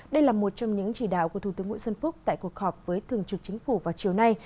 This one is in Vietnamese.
đây là một trong những chỉ đạo của thủ tướng nguyễn xuân phúc tại cuộc họp với thường trực chính phủ vào chiều nay